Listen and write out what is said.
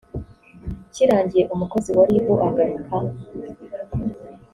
kirangiye umukozi wa rib agaruka